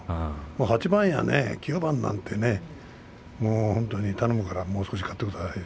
８番や９番なんて頼むからもう少し勝ってください。